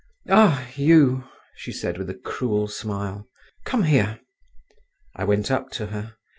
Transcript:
"Ah, you!" she said with a cruel smile. "Come here." I went up to her.